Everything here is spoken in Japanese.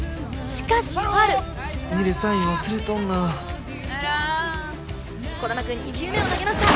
しかしファウル楡サイン忘れとんな児玉くん２球目を投げました